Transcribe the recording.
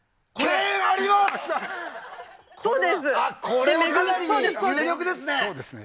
これはかなり有力ですね。